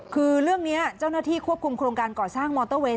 คือเรื่องนี้เจ้าหน้าที่ควบคุมโครงการก่อสร้างมอเตอร์เวย